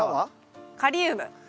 カリウム！